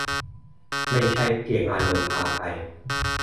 ไม่ใช่เพียงอารมณ์พาไป